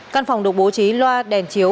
căn phòng được bố trí loa đèn chiếu